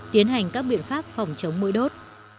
tiến hành các biện pháp phòng chống mũi đốt